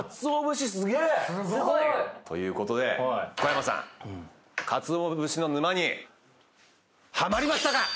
すごいということで小山さんかつお節の沼にハマりましたか？